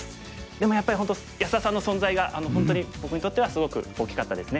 でもやっぱり本当安田さんの存在が本当に僕にとってはすごく大きかったですね。